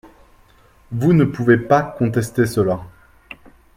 Vous ne pouvez pas contester cela